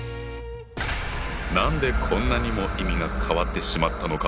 何でこんなにも意味が変わってしまったのか？